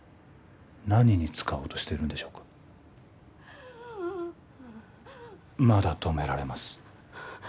何に使おうとしてるんでしょうかまだ止められます